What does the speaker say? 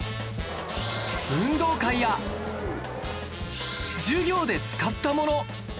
運動会や授業で使ったもの